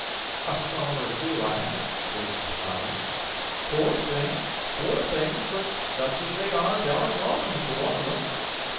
"A song or two I ha'," quoth the Cobbler, "poor things, poor things, but such as they are thou art welcome to one of them."